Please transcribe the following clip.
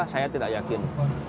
saya tidak yakin